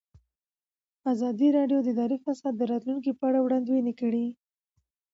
ازادي راډیو د اداري فساد د راتلونکې په اړه وړاندوینې کړې.